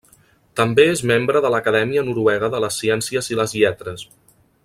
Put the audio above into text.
També és membre de l'Acadèmia Noruega de la Ciència i les Lletres.